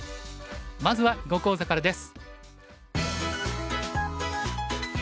まずは囲碁講座からです。